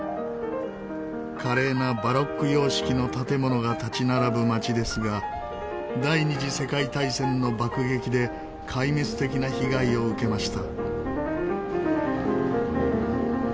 華麗なバロック様式の建物が立ち並ぶ街ですが第二次世界大戦の爆撃で壊滅的な被害を受けました。